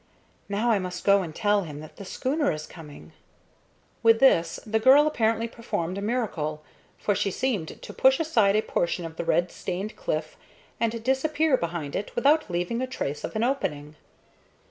Now I must go and tell him that the schooner is coming." With this the girl apparently performed a miracle, for she seemed to push aside a portion of the red stained cliff and disappear behind it without leaving a trace of an opening.